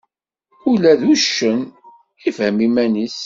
Ula d uccen ifhem iman-is.